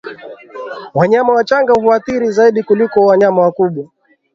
Wanyama wachanga huathirika zaidi kuliko wanyama wakubwa